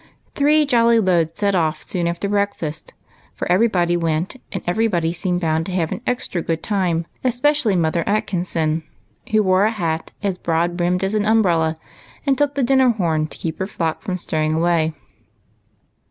Three jolly 150 EIGHT COUSINS, loads set off soon after breakfast, for everybody went, and everybody seemed bound to have an extra good time, especially Mother Atkinson, who wore a hat as broad brimmed as an miibrella, and took the dinner horn to keep her flock from straying away.